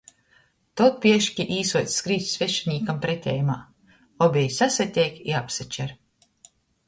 Tod pieški īsuoc skrīt svešinīkam preteimā! Obeji sasateik i apsačer.